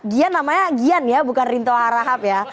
gian namanya gian ya bukan rinto harahap ya